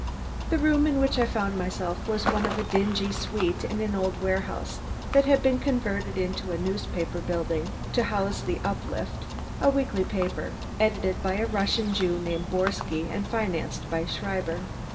The room in which I found myself was one of a dingy suite in an old warehouse that had been converted into a newspaper building to house The Uplift, a weekly paper, edited by a Russian Jew named Borsky and financed by Schreiber.